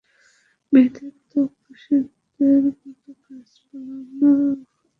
মেয়েদের তো পুরুষদের মতো কাজ-পালানো উড়ো মন নয়।